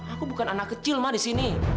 aku bukan anak kecil ma di sini